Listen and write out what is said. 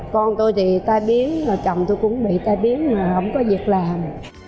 con tôi thì tai biến mà chồng tôi cũng bị tai biến mà không có việc làm